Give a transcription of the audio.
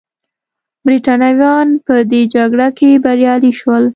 برېټانویان په دې جګړه کې بریالي شول.